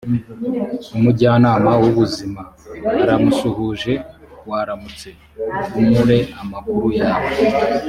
umujyanama w ubuzima aramusuhuje waramutse umure amakuru yawe